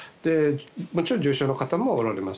もちろん重症の方もおられます。